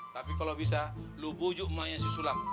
tapi kalau bisa lo bujuk emaknya si sula